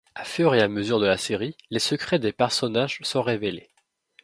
Au fur et à mesure de la série, les secrets des personnages sont révélés.